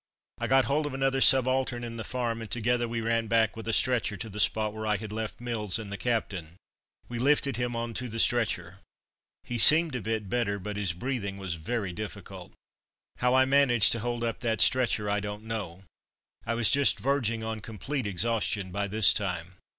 I got hold of another subaltern in the farm, and together we ran back with a stretcher to the spot where I had left Mills and the captain. We lifted him on to the stretcher. He seemed a bit better, but his breathing was very difficult. How I managed to hold up that stretcher I don't know; I was just verging on complete exhaustion by this time.